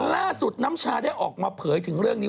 น้ำชาได้ออกมาเผยถึงเรื่องนี้